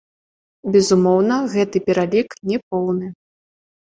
Безумоўна, гэты пералік не поўны.